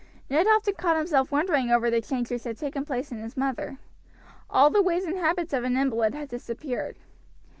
Ned often caught himself wondering over the change which had taken place in his mother. All the ways and habits of an invalid had disappeared.